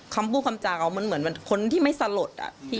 คำพูดคำจางมันเหมือนคนที่ไม่สลด